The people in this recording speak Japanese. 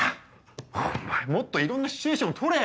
お前もっといろんなシチュエーションを撮れ！